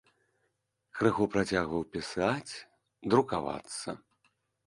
Крыху працягваў пісаць, друкавацца.